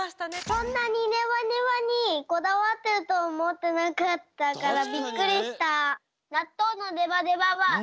そんなにネバネバにこだわってるとおもってなかったからびっくりした。